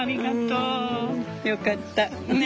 よかった。ね。